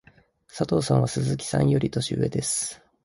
佐藤さんは鈴木さんより年上です。